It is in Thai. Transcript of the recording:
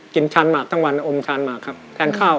ชานหมากทั้งวันอมชานหมากครับทานข้าว